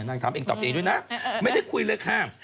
นางถามเองตอบเองด้วยนะไม่ได้คุยเลยห้าม